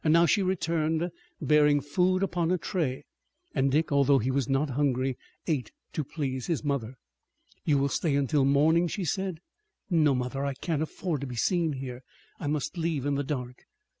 Now she returned, bearing food upon a tray, and Dick, although he was not hungry, ate to please his mother. "You will stay until morning?" she said. "No, mother. I can't afford to be seen here. I must leave in the dark."